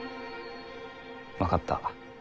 分かった。